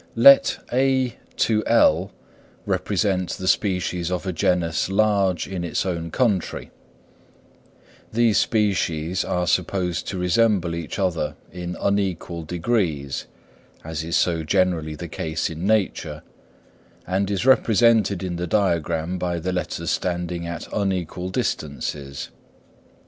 Let A to L represent the species of a genus large in its own country; these species are supposed to resemble each other in unequal degrees, as is so generally the case in nature, and as is represented in the diagram by the letters standing at unequal distances.